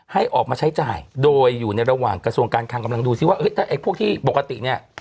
ให้ออกมาใช้จ่ายโดยอยู่ในระหว่างกระทรวงการคังกำลังดูซิว่าถ้าไอ้พวกที่ปกติเนี่ย